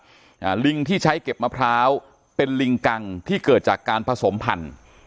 อ่าลิงที่ใช้เก็บมะพร้าวเป็นลิงกังที่เกิดจากการผสมพันธุ์